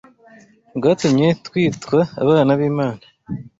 rwatumye twitwa abana b’Imana